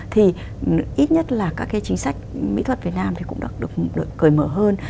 thì ít nhất là các cái chính sách mỹ thuật việt nam thì cũng được cởi mở hơn